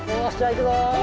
いくぞ！